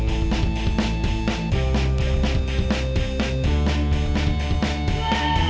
eh tess kayaknya itu pacar pacarnya deh